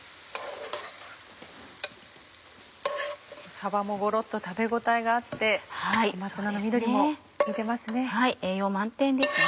さばもゴロっと食べ応えがあって小松菜の緑も効いてますね。